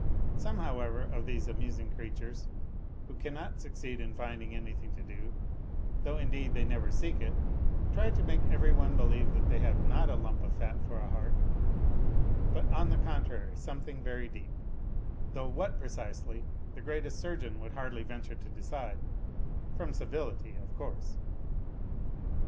Some, however, of these amusing creatures, who cannot succeed in finding anything to do though, indeed, they never ^ ok it try to make every one believe that they have not a lump of fat for a heart, but on the contrary, something very deep, though what precisely the greatest surgeon would hardly venture to A LITTLE HERO 233 decide from civility, of course.